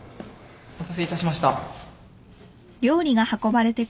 お待たせいたしました。